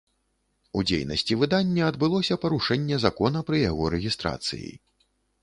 У дзейнасці выдання адбылося парушэнне закона пры яго рэгістрацыі.